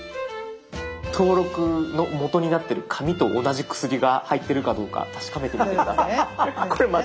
登録のもとになってる紙と同じ薬が入ってるかどうか確かめてみて下さい。